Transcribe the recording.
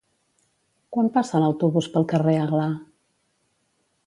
Quan passa l'autobús pel carrer Aglà?